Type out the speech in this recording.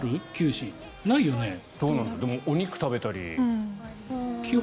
でもお肉食べたり。